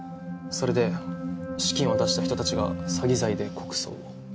それで資金を出した人たちが詐欺罪で告訴。